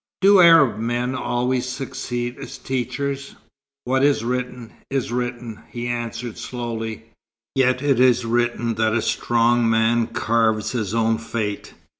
"Do Arab men always succeed as teachers?" "What is written is written," he answered slowly. "Yet it is written that a strong man carves his own fate.